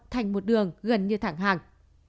thành một đường gần như thẳng hàng